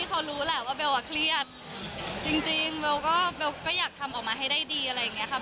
เขารู้แหละว่าเบลอ่ะเครียดจริงเบลก็เบลก็อยากทำออกมาให้ได้ดีอะไรอย่างนี้ค่ะ